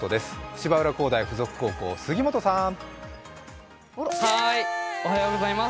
芝浦工大附属高校、杉本さーん。